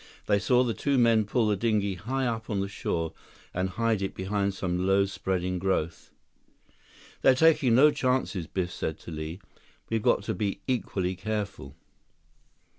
They saw the two men pull the dinghy high up on the shore and hide it behind some low, spreading growth. "They're taking no chances," Biff said to Li. "We've got to be equally careful."